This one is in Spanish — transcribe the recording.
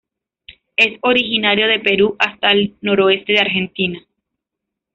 Es originario de Perú hasta el noroeste de Argentina.